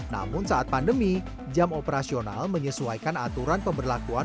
namun saat pandemi jam operasional menyesuaikan aturan pemberlakuan